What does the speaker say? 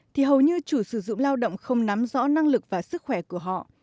thì hầu như chủ sử dụng lao động không nắm rõ năng lực và sức khỏe của họ